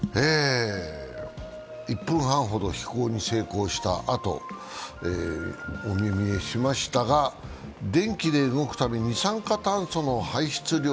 １分半ほど飛行に成功したあと、お目見えしましたが電気で動くため二酸化炭素の排出量